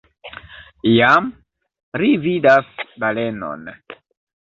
Iam, ri vidas balenon.